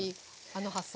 あの発想。